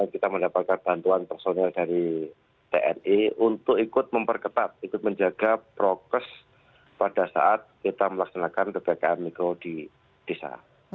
kita mendapatkan bantuan personil dari tni untuk ikut memperketat ikut menjaga prokes pada saat kita melaksanakan ppkm mikro di desa